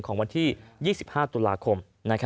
ของวันที่๒๕ตุลาคม